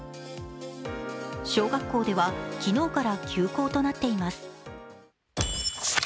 小学校では昨日から休校となっています。